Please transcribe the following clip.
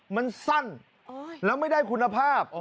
มันสั้นแล้วไม่ได้คุณภาพ